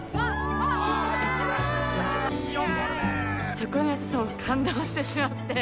そこに私ほんと感動してしまって。